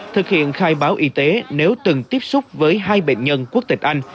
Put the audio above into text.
thực hiện khai báo y tế nếu từng tiếp xúc với hai bệnh nhân quốc tịch anh